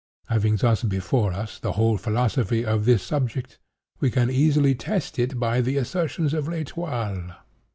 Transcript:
"Having thus before us the whole philosophy of this subject, we can easily test by it the assertions of L'Etoile.